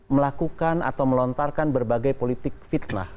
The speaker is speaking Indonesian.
melakukan atau melontarkan berbagai politik fitnah